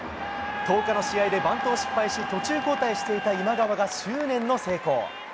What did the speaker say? １０日の試合でバントを失敗し、途中交代していた今川が執念の成功。